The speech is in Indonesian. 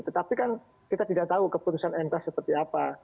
tetapi kan kita tidak tahu keputusan mk seperti apa